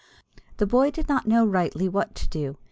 The boy did not know rightly what to do.